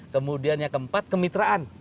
kemudian yang keempat kemitraan